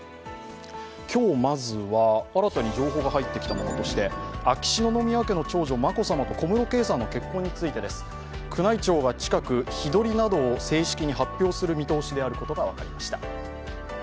今日、まずは新たに情報が入ってきたものとして、秋篠宮家の長女・眞子さまと小室圭さんの結婚についてです。宮内庁が近く、日取りなどを正式に発表する見通しであることが分かりました。